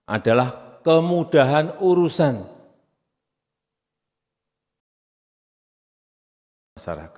adalah kemudahan masyarakat dan kemudahan kekuasaan masyarakat